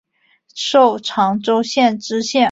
授长洲县知县。